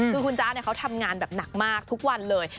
คือคุณจ๊ะเขาทำงานแบบหนักมากทุกวันเลย